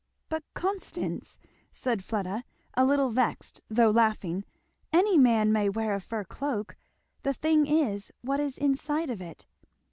"But, Constance!" said Fleda, a little vexed though laughing, "any man may wear a fur cloak the thing is, what is inside of it?"